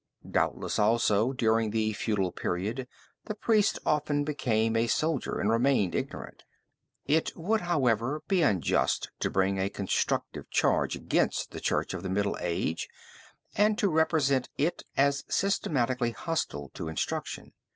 Doubtless, also, during the feudal period the priest often became a soldier, and remained ignorant. It would, however, be unjust to bring a constructive charge against the Church of the Middle Age, and to represent it as systematically hostile to instruction.